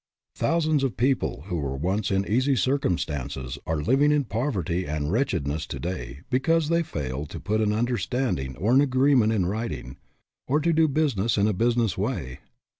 Thousands of people who were once in easy circumstances are living in poverty and wretchedness to day because they failed to put an understanding or an agreement in writ ing, or to do business in a business way.